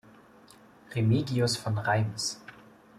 Remigius von Reims.